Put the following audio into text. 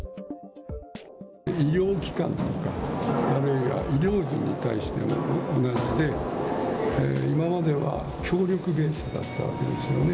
医療機関とかあるいは医療者に対しても同じで、今までは協力ベースだったわけですよね。